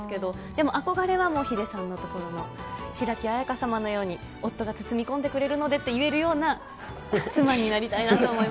でも憧れはもう、ヒデさんのところの白城あやかさまのように、夫が包み込んでくれるのでと言えるような妻になりたいなと思い